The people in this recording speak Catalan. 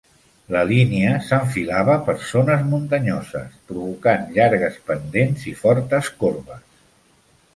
La línia s'enfilava per zones muntanyoses, provocant llargues pendents i fortes corbes.